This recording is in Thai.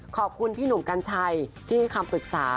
ขอบคุณพี่หนุ่มกัญชัยที่ให้คำปรึกษา